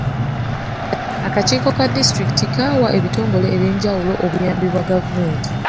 Akakiiko ka disitulikiti kawa ebitongole ebyenjawulo obuyambi bwa gavumenti.